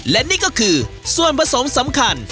และนี่ก็คือส่วนผสมสำคัญ